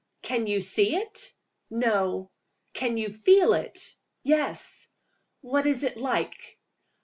"Can you see it?" "No." "Can you feel it?" "Yes!" "What is it like?"